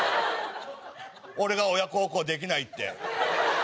俺が親孝行できないって。